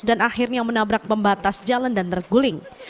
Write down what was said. dan akhirnya menabrak pembatas jalan dan terguling